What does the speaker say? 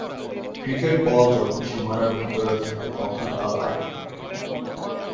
Cricket ball যখন সীমানার ভিতরে থাকে তখন তা লাইভ থাকে।